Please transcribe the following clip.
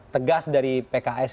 tegas dari pks